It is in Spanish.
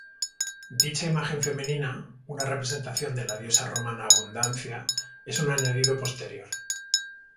Dicha imagen femenina, una representación de la diosa romana Abundancia, es un añadido posterior.